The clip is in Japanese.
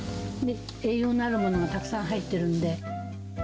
栄養のあるものがたくさん入ってるんで。